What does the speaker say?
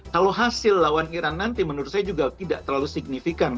kalau hasil lawan iran nanti menurut saya juga tidak terlalu signifikan